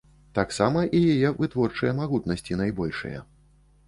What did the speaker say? Таксама і яе вытворчыя магутнасці найбольшыя.